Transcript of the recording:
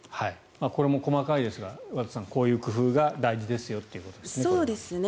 これも細かいですが和田さん、こういう工夫が大事ということですね。